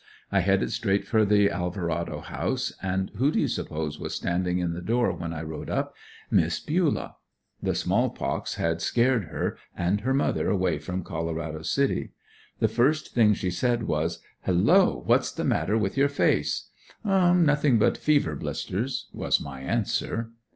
I headed straight for the Alverado House and who do you suppose was standing in the door when I rode up? Miss Bulah. The small pox had scared her and her mother away from Colorado City. The first thing she said was: "Hello, what's the matter with your face?" "Nothing but fever blisters." was my answer.